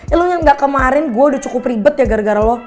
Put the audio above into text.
eh lo yang gak kemarin gue udah cukup ribet ya gara gara lo